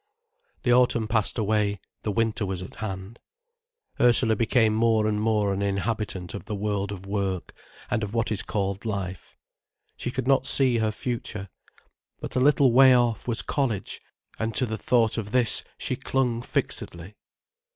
The autumn passed away, the winter was at hand. Ursula became more and more an inhabitant of the world of work, and of what is called life. She could not see her future, but a little way off, was college, and to the thought of this she clung fixedly.